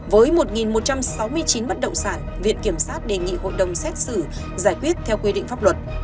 với một một trăm sáu mươi chín bất động sản viện kiểm sát đề nghị hội đồng xét xử giải quyết theo quy định pháp luật